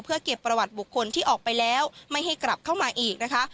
เพื่อเก็บประวัติบุคคลที่ออกไปแล้วไม่ให้กลับเข้ามาอีกนะคะ